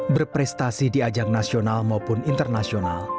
berprestasi di ajang nasional maupun internasional